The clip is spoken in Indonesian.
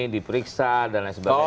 diperiksa dan lain sebagainya